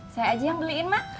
saya aja yang beliin mah